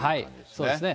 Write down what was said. そうですね。